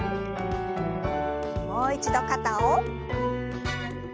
もう一度肩を。